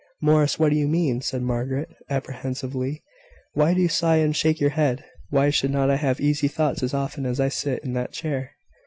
"Morris, what do you mean?" said Margaret, apprehensively. "Why do you sigh and shake your head? Why should not I have easy thoughts as often as I sit in that chair?"